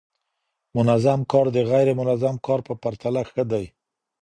منظم کار د غیر منظم کار په پرتله ښه دی.